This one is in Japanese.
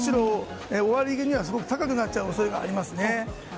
終わり際にはすごく高くなっちゃう恐れがありますね。